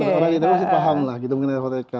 orang orang itu pasti paham lah mengenai horeca